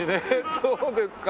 そうですか。